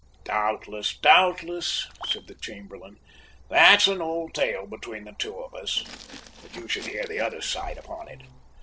"Doubtless! doubtless!" said the Chamberlain. "That's an old tale between the two of us, but you should hear the other side upon it."